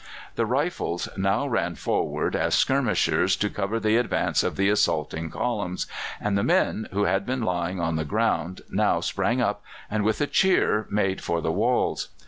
The Rifles now ran forward as skirmishers to cover the advance of the assaulting columns, and the men, who had been lying on the ground, now sprang up, and, with a cheer, made for the walls.